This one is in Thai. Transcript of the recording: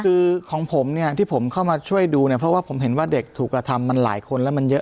คือของผมเนี่ยที่ผมเข้ามาช่วยดูเนี่ยเพราะว่าผมเห็นว่าเด็กถูกกระทำมันหลายคนแล้วมันเยอะ